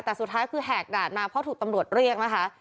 แต่สุดท้ายคือแหกด่านมาเพราะถูกตำรวจเรียกนะคะ